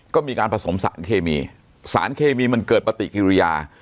ก็มีการผสมสารเคมีสารเคมีมันเกิดปฏิกิริยา